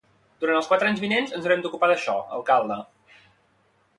Durant els quatre anys vinents ens haurem d'ocupar d'això, alcalde.